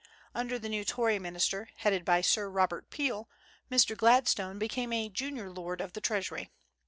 Under the new Tory ministry, headed by Sir Robert Peel, Mr. Gladstone became a junior lord of the Treasury.